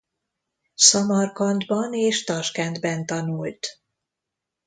Szamarkandban és Taskentben tanult.